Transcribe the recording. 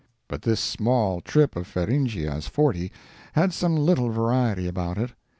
But this small trip of Feringhea's Forty had some little variety about it.